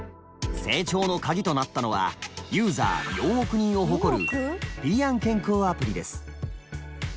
成長のカギとなったのはユーザー４億人を誇る平安健康アプリです。